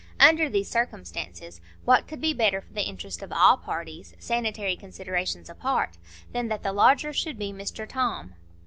Under these circumstances, what could be better for the interests of all parties, sanitary considerations apart, than that the lodger should be Mr Tom?